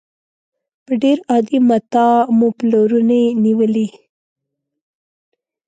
په ډېر عادي متاع مو پلورنې نېولې.